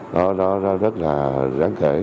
nó rất là ráng thể